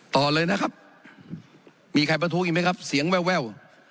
ต่อเลยนะครับมีใครประท้วงอีกไหมครับเสียงแวว